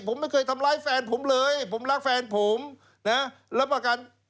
ผมไม่เคยทำร้ายแฟนผมเลยผมรักแฟนผมนะรับประกัน